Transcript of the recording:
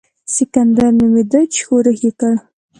سکندر نومېدی چې ښورښ یې کړ.